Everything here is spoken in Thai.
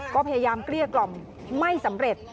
ก็พยายามเกลี้ยกล่อมไม่สำเร็จ